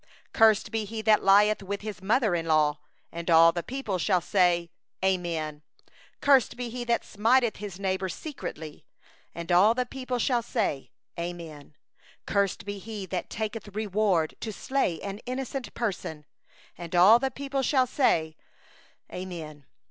23Cursed be he that lieth with his mother in law. And all the people shall say: Amen. 24Cursed be he that smiteth his neighbour in secret. And all the people shall say: Amen. 25Cursed be he that taketh a bribe to slay an innocent person. And all the people shall say: Amen.